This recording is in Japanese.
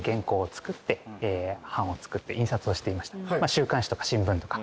週刊誌とか新聞とか。